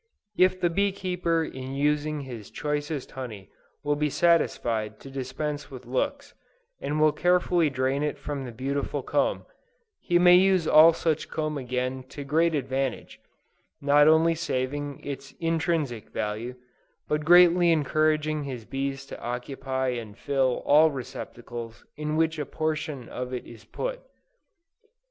If the bee keeper in using his choicest honey will be satisfied to dispense with looks, and will carefully drain it from the beautiful comb, he may use all such comb again to great advantage; not only saving its intrinsic value, but greatly encouraging his bees to occupy and fill all receptacles in which a portion of it is put.